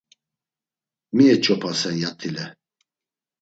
Mi eç̌opasen yat̆ile?